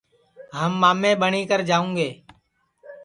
ہم مامے ٻٹؔی کر جاؤں گے